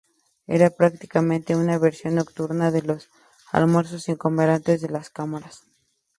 Era prácticamente una versión nocturna de los almuerzos sin comer ante las cámaras.